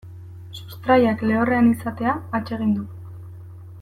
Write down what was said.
Sustraiak lehorrean izatea atsegin du.